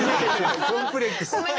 コンプレックス。